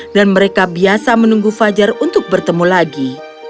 dan mereka biasa menunggu fajar untuk bertemu lagi